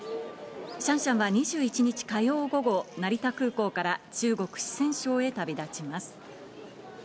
シャンシャンは２１日火曜午後、成田空港から中国・四川省へ旅立ちます。